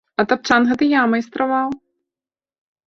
А тапчан гэты я майстраваў.